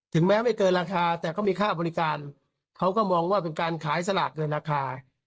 แม้ไม่เกินราคาแต่เขามีค่าบริการเขาก็มองว่าเป็นการขายสลากเกินราคา